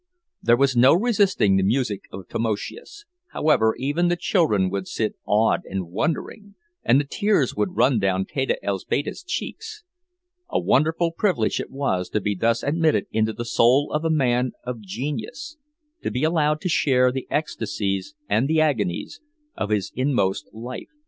There was no resisting the music of Tamoszius, however; even the children would sit awed and wondering, and the tears would run down Teta Elzbieta's cheeks. A wonderful privilege it was to be thus admitted into the soul of a man of genius, to be allowed to share the ecstasies and the agonies of his inmost life.